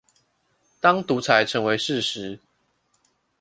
當獨裁成為事實